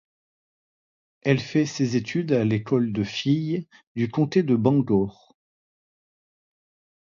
Elle fait ses études à l'école de filles du comté de Bangor.